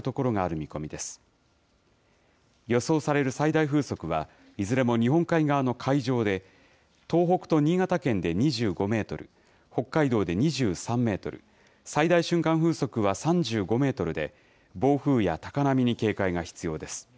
予想される最大風速は、いずれも日本海側の海上で、東北と新潟県で２５メートル、北海道で２３メートル、最大瞬間風速は３５メートルで、暴風や高波に警戒が必要です。